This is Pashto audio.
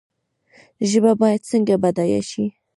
ژبه باید څنګه بډایه شي؟